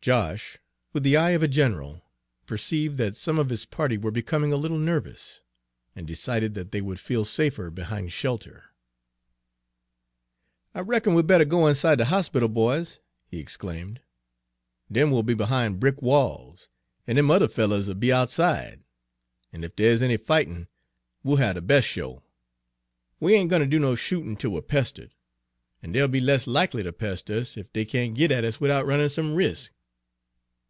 Josh, with the eye of a general, perceived that some of his party were becoming a little nervous, and decided that they would feel safer behind shelter. "I reckon we better go inside de hospittle, boys," he exclaimed. "Den we'll be behind brick walls, an' dem other fellows 'll be outside, an' ef dere's any fightin', we'll have de bes' show. We ain' gwine ter do no shootin' till we're pestered, an' dey'll be less likely ter pester us ef dey can't git at us widout runnin' some resk.